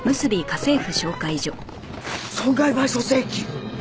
損害賠償請求！？